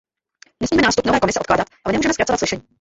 Nesmíme nástup nové Komise odkládat, ale nemůžeme zkracovat slyšení.